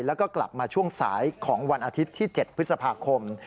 แล้วก็กลับมาช่วงสายของวันอาทิตย์ที่๗พฤษภาคม